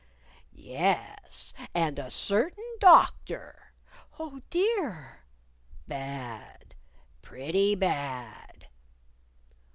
"Yes. And a certain Doctor." "Oh, dear!" "Bad! Pretty bad!"